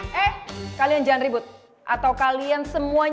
harusnya yang tau jawab itu arin